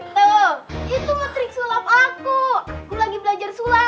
oh itu itu metrik sulap aku ku lagi belajar sulap